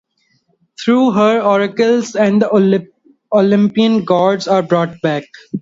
Through her, oracles and the Olympian gods are brought back.